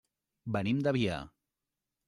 Venim de Biar.